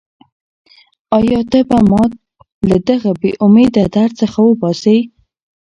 ایا ته به ما له دغه بېامیده درد څخه وباسې؟